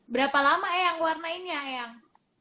berapa lama eyang mewarnai nya eyang